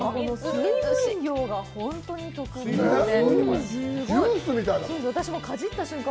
水分量が本当に特徴で。